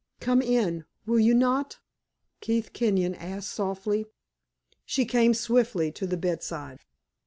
"Come in, will you not?" Keith Kenyon asked, softly. She came swiftly to the bedside.